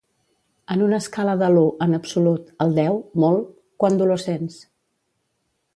En una escala de l'u (en absolut) al deu (molt), quant dolor sents?